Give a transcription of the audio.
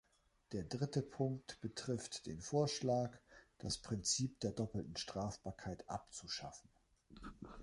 Der dritte Punkt betrifft den Vorschlag, das Prinzip der doppelten Strafbarkeit abzuschaffen.